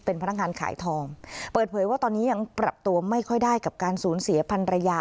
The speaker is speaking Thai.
เป็นพนักงานขายทองเปิดเผยว่าตอนนี้ยังปรับตัวไม่ค่อยได้กับการสูญเสียพันรยา